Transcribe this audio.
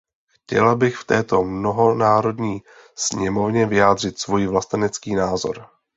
Chtěla bych v této mnohonárodní sněmovně vyjádřit svůj vlastenecký názor.